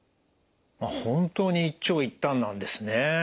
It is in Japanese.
本当に一長一短なんですね。